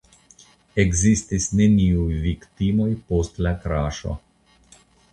Ekzistis neniuj viktimoj post la kraŝo.